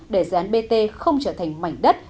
để dự án bt không trở thành mảnh đất